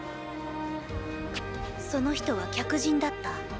その人は「客人」だった。